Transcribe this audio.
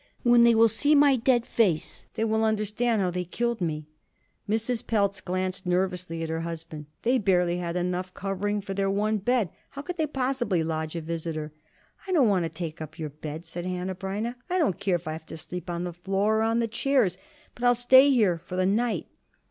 When they will see my dead face, they will understand how they killed me." Mrs. Pelz glanced nervously at her husband. They barely had enough covering for their one bed; how could they possibly lodge a visitor? "I don't want to take up your bed," said Hanneh Breineh. "I don't care if I have to sleep on the floor or on the chairs, but I'll stay here for the night."